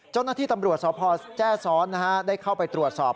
เจ้าหน้าที่ตำรวจสพแจ้ซ้อนได้เข้าไปตรวจสอบ